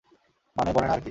মানে, বনে না আরকি।